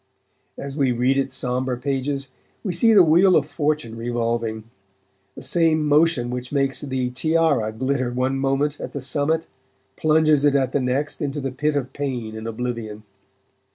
As we read its sombre pages we see the wheel of fortune revolving; the same motion which makes the tiara glitter one moment at the summit, plunges it at the next into the pit of pain and oblivion.